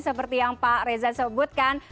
seperti yang pak reza sebutkan